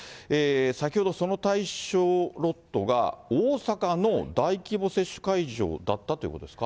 先ほど、その対象ロットが、大阪の大規模接種会場だったということですか？